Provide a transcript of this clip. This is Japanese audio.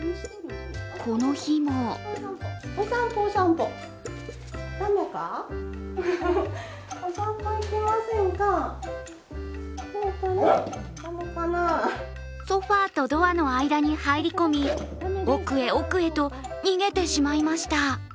この日もソファーとドアの間に入り込み、奥へ奥へと逃げてしまいました。